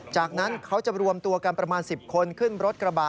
จากนั้นเขาจะรวมตัวกันประมาณ๑๐คนขึ้นรถกระบะ